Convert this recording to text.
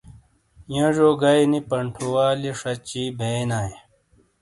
یونجیو گئیی نی پنٹھُوالیئے شاچی بئینائے۔